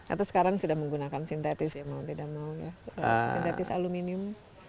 atau sekarang sudah menggunakan sintetis ya mau tidak mau ya sintetis aluminium